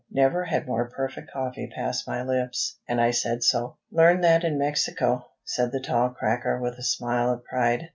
Never had more perfect coffee passed my lips, and I said so. "Learned that in Mexico," said the tall "cracker," with a smile of pride.